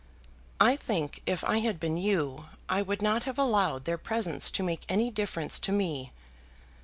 "I think, if I had been you, I would not have allowed their presence to make any difference to me."